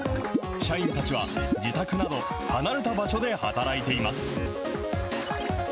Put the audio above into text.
社員たちは自宅など、離れた場所で働いています。